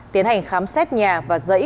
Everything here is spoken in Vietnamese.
tiến hành khám xét nhà và dãy